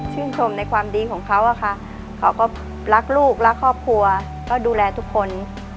ชมในความดีของเขาอะค่ะเขาก็รักลูกรักครอบครัวก็ดูแลทุกคน